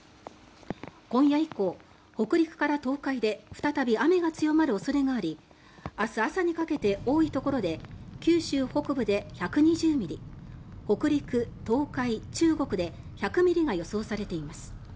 今夜以降、北陸から東海で再び雨が強まる恐れがあり明日朝にかけて、多いところで九州北部で１２０ミリ北陸、東海、中国で１００ミリが予想されています。